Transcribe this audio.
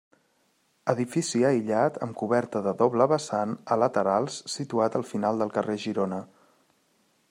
Edifici aïllat amb coberta de doble vessant a laterals situat al final del carrer Girona.